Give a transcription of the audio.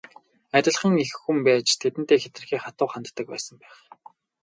Адилхан эх хүн байж тэдэндээ хэтэрхий хатуу ханддаг байсан байх.